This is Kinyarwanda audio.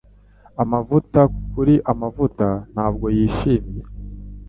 Amavuta kuri amavuta ntabwo yishimye